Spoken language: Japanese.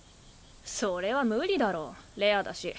それは無理だろレアだし。